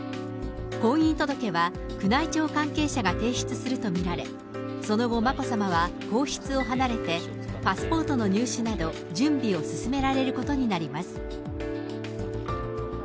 婚姻届は宮内庁関係者が提出すると見られ、その後、眞子さまは皇室を離れて、パスポートの入手など、準備を進められることになります。